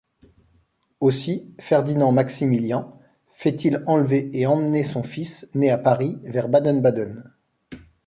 Aussi Ferdinand Maximilian fait-il enlever et emmener son fils, né à Paris vers Baden-Baden.